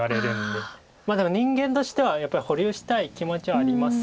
でも人間としてはやっぱり保留したい気持ちはあります。